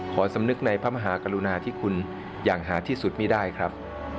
สำนึกในพระมหากรุณาที่คุณอย่างหาที่สุดไม่ได้ครับ